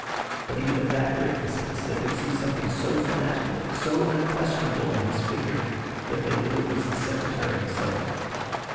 But even at that great distance they could see something so fanatical, so unquestionable in his figure, that they knew it was the Secretary himself.